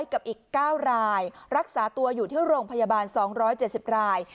กับอีก๙รายรักษาตัวอยู่ที่โรงพยาบาล๒๗๐ราย